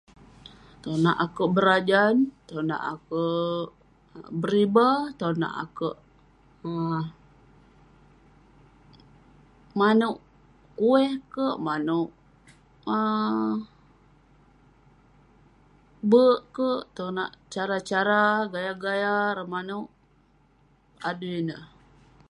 Tonak akouk berajan, tonak akouk beriba, tonak akouk um manouk kueh kek, manouk um be'ek kek, konak cara-cara, gaya ireh manouk.